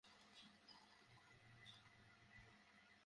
মনে হয়, আমার কথা কেউই বুঝতে পারছে না।